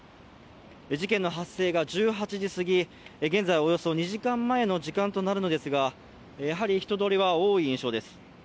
事件の発生が１８時すぎ、現在、およそ２時間前の時間となるんですがやはり人通りは多い印象です。